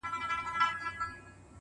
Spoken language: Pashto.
د زمان رحم ـ رحم نه دی؛ هیڅ مرحم نه دی”